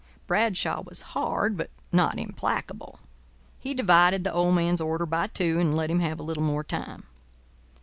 Bradshaw was hard but not implacable. He divided the old man's order by two, and let him have a little more time.